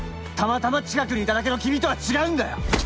たまたま近くにいただけの君とは違うんだよ！